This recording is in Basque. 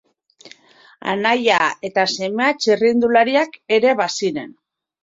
Anaia eta semea txirrindulariak ere baziren.